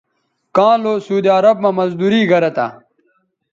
کاں لو سعودی عرب مہ مزدوری گرہ تھہ